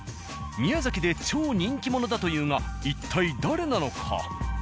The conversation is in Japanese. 宮崎で超人気者だというが一体誰なのか？